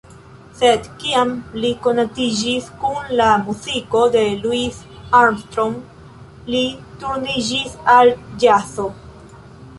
Sed kiam li konatiĝis kun la muziko de Louis Armstrong, li turniĝis al ĵazo.